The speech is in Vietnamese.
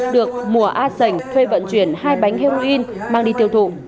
được mùa a sành thuê vận chuyển hai bánh heroin mang đi tiêu thụ